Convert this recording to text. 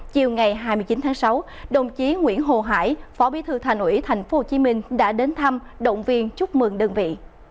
chiều ngày hai mươi chín tháng sáu đồng chí nguyễn hồ hải phó bí thư thành ủy tp hcm đã đến thăm động viên chúc mừng đơn vị